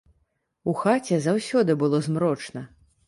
У хаце заўсёды было змрочна.